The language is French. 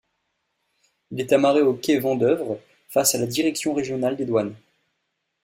Il est amarré au quai Vendeuvre face à la Direction régionale des Douanes.